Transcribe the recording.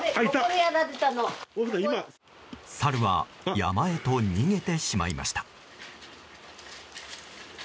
サルは山へと逃げてしまいました。